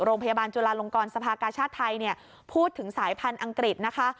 โรงพยาบาลจุลาลงกรสภากาชาติไทยพูดถึงสายพันธุ์อังกฤษนะคะ